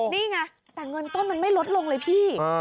นี่ไงแต่เงินต้นมันไม่ลดลงเลยพี่